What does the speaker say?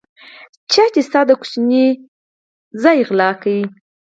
چا چې ستا د ماشوم توشکه غلا کړې.